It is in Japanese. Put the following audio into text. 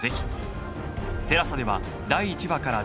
ＴＥＬＡＳＡ では第１話から全話配信中